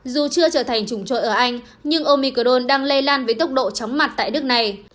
dù chưa trở thành trùng trội ở anh nhưng omicron đang lây lan với tốc độ chóng mặt tại nước này